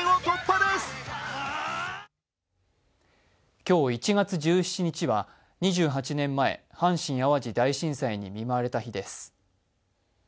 今日１月１７日は２８年前阪神・淡路大震災に見舞われた日です。